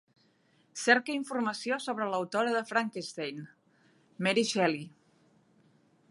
Cerca informació sobre l'autora de Frankenstein, Mary Shelley.